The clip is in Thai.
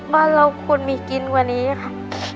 บ้านเราควรมีกินกว่านี้ค่ะ